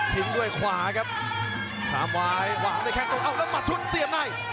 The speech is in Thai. ทิ้งด้วยขวาครับตามวายหวามได้แค่ตรงออกแล้วมาทุนเสียบใน